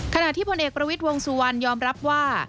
ขณะที่พลเอกประวิทย์วงสุวรรณยอมรับว่า